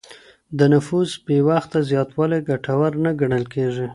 د نفوس بې وخته زياتوالی ګټور نه ګڼل کيږي.